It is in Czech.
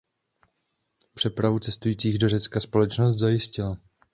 Přepravu cestujících do Řecka společnost zajistila.